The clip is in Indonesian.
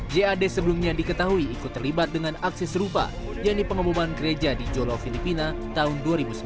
jad sebelumnya diketahui ikut terlibat dengan aksi serupa yang dipengembangkan gereja di jolo filipina tahun dua ribu sembilan belas